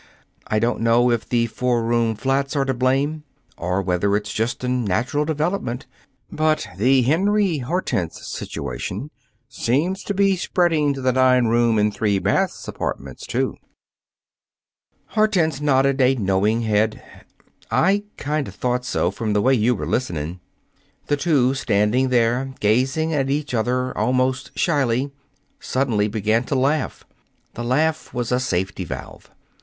I don't know if the four room flats are to blame, or whether it's just a natural development. But the Henry Hortense situation seems to be spreading to the nine room and three baths apartments, too." Hortense nodded a knowing head. "I kind of thought so, from the way you were listening." The two, standing there gazing at each other almost shyly, suddenly began to laugh. The laugh was a safety valve.